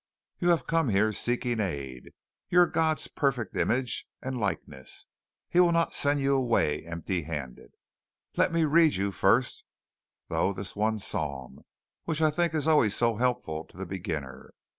You have come here seeking aid. You are God's perfect image and likeness. He will not send you away empty handed. Let me read you first, though, this one psalm, which I think is always so helpful to the beginner."